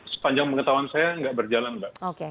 sepanjang pengetahuan saya nggak berjalan mbak